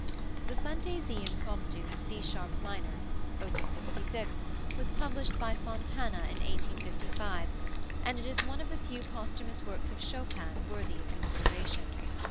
The Fantaisie Impromptu in C sharp minor, op. 66, was published by Fontana in 1855, and is one of the few posthumous works of Chopin worthy of consideration.